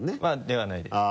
ではないです。